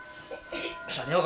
さあ寝ようか